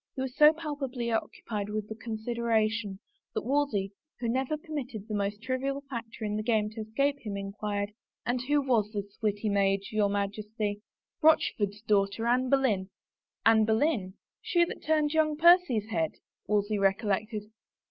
He was so palpably occupied with the consideration, that Wolsey, who never permitted the most trivial factor in 42 A ROSE AND SOME WORDS the game to escape him, inquired, " And who was this witty maid, your Majesty?" " Rochford's daughter, Anne Boleyn." " Anne Boleyn — she that turned young Percy's head?" Wolsey recollected.